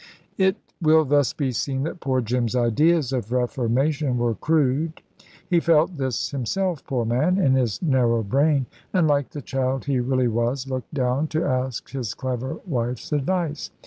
It will thus be seen that poor Jim's ideas of reformation were crude. He felt this himself, poor man, in his narrow brain; and like the child he really was, looked down to ask his clever wife's advice.